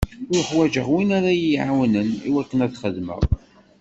Uḥwaǧeɣ win ara yi-iɛawnen i wakken ad t-xedmeɣ.